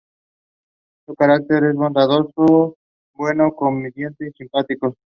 Su carácter es bondadoso, bueno, comediante y simpático.